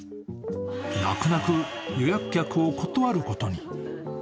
泣く泣く予約客を断ることに。